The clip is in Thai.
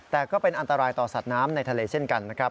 แต่ก็เป็นอันตรายต่อสัตว์น้ำในทะเลเช่นกันนะครับ